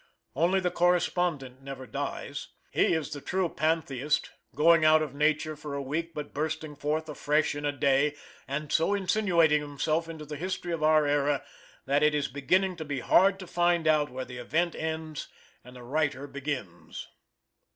Only the correspondent never dies. He is the true Pantheist going out of nature for a week, but bursting forth afresh in a day, and so insinuating himself into the history of our era that it is beginning to be hard to find out where the event ends and the writer begins.